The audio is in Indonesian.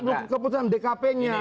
ada keputusan dkp nya